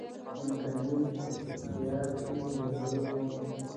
څمکني په پکتیا کی یو لوی قوم دی